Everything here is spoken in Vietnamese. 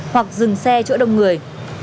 hoặc dừng xe chỗ đông người